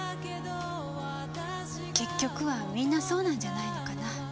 結局は皆そうなんじゃないのかな。